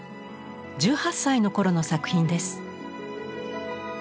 １８歳の頃の作品です。